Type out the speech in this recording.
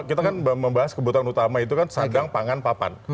kita kan membahas kebutuhan utama itu kan sadang pangan papan